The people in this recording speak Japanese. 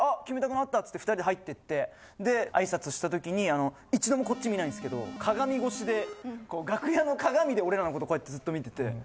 キムタクのあったって２人で入ってってで挨拶した時に一度もこっち見ないんすけど鏡越しで楽屋の鏡で俺らのことこうやってずっと見てて。